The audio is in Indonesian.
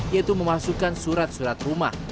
yaitu memasukkan surat surat rumah